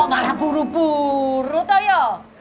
oh kok malah buru buru toyo